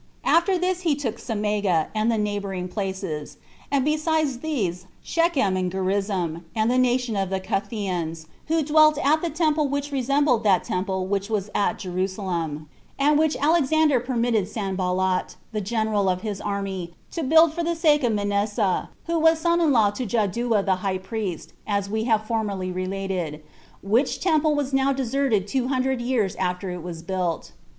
After this he took Samega, and the neighboring places; and besides these, Shechem and Gerizzim, and the nation of the Cutheans, who dwelt at the temple which resembled that temple which was at Jerusalem, and which Alexander permitted Sanballat, the general of his army, to build for the sake of Manasseh, who was son in law to Jaddua the high priest, as we have formerly related; which temple was now deserted two hundred years after it was built.